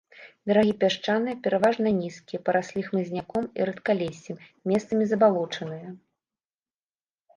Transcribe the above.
Берагі пясчаныя, пераважна нізкія, параслі хмызняком і рэдкалессем, месцамі забалочаныя.